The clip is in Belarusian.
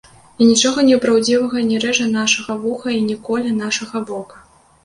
І нічога непраўдзівага не рэжа нашага вуха і не коле нашага вока.